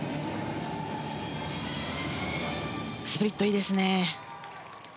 スプリット、いいですね。